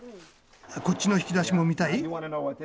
こっちの引き出しも見たい？